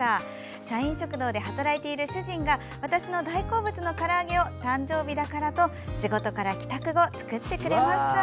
社員食堂で働いている主人が私の大好物のから揚げを誕生日だからと仕事から帰宅後作ってくれました。